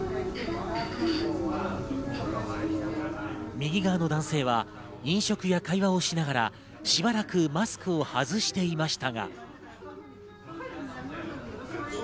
右側の男性は飲食や会話をしながら、しばらくマスクを外していましたが。